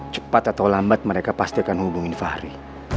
cepat atau lambat mereka pasti akan hubungin fahri